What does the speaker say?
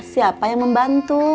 siapa yang membantu